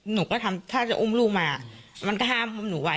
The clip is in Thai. หนูก็ทำท่าจะอุ้มลูกมามันก็ห้ามอุ้มหนูไว้